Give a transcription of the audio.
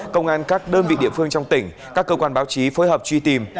công an các đơn vị địa phương trong tỉnh các cơ quan báo chí phối hợp truy tìm